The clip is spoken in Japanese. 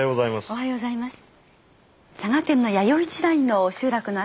おはようございます。